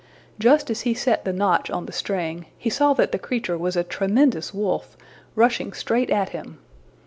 Just as he set the notch on the string, he saw that the creature was a tremendous wolf, rushing straight at him.